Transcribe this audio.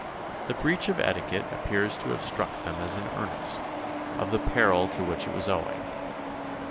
The breach of etiquette appears to have struck them as an earnest of the peril to which it was owing.